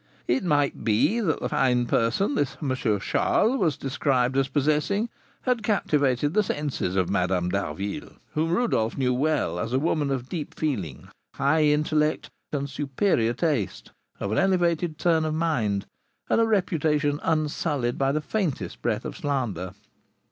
It might be that the fine person this M. Charles was described as possessing had captivated the senses of Madame d'Harville, whom Rodolph knew well as a woman of deep feeling, high intellect, and superior taste, of an elevated turn of mind, and a reputation unsullied by the faintest breath of slander.